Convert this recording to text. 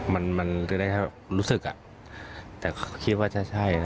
มันได้รู้สึกแต่เขาคิดว่าใช่นะ